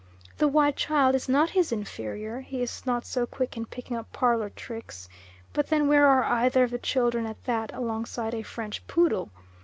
The white child is not his inferior; he is not so quick in picking up parlour tricks; but then where are either of the children at that alongside a French poodle?